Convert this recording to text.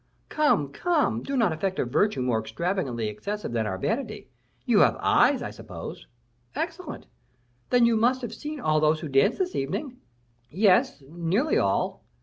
"Come, come, do not affect a virtue more extravagantly excessive than our vanity! you have eyes, I suppose?" "Excellent." "Then you must have seen all those who danced this evening." "Yes, nearly all."